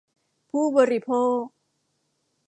ผู้บริโภค